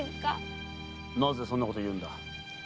なぜそんなことを言うんだ？